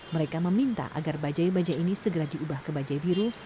mereka meminta agar bajaj bajaj ini segera diubah ke bajaj biru